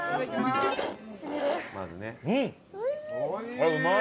あっうまい！